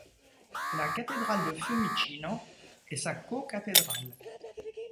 La cathédrale de Fiumicino est sa co-cathédrale.